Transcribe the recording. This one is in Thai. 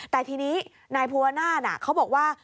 แต่ทีนี้นายภูวนาศเขาบอกว่า